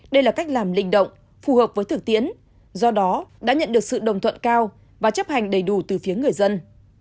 đây là cách làm linh động phù hợp với thực tiễn do đó đã nhận được sự đồng thuận cao và chấp hành đầy đủ từ phía người dân